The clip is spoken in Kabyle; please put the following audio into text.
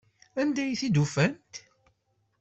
Anda ay t-id-ufant?